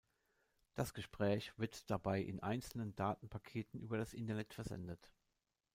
Das Gespräch wird dabei in einzelnen Datenpaketen über das Internet versendet.